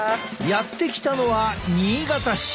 やって来たのは新潟市。